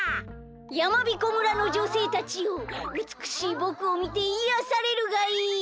やまびこ村のじょせいたちようつくしいぼくをみていやされるがいい！